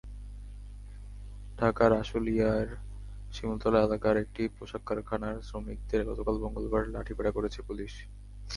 ঢাকার আশুলিয়ার শিমুলতলা এলাকার একটি পোশাক কারখানার শ্রমিকদের গতকাল মঙ্গলবার লাঠিপেটা করেছে পুলিশ।